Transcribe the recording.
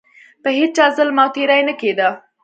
په هیچا ظلم او تیری نه کېده.